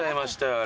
あれ。